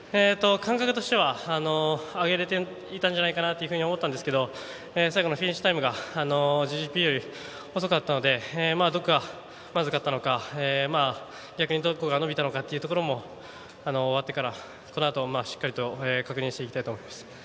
感覚としては上げられていたと思ったんですが最後のフィニッシュタイムがＧＧＰより遅かったのでどこがまずかったのか逆にどこが伸びたのかもこのあと、終わってからしっかりと確認していきたいと思います。